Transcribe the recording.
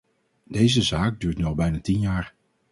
Deze zaak duurt nu al bijna tien jaar.